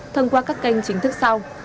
thông qua các kênh chính thức sau